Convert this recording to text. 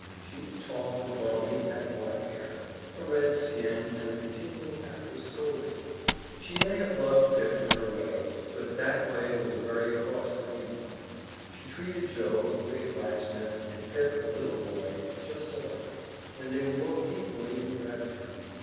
She was tall and bony and had black hair, a red skin and a continual habit of scolding. She may have loved Pip in her way, but that way was a very cross grained one. She treated Joe, the big blacksmith, and Pip, the little boy, just alike, and they were both equally in dread of her.